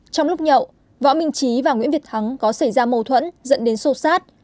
trong lúc nhậu võ minh chí và nguyễn việt thắng có xảy ra mâu thuẫn dẫn đến sâu sát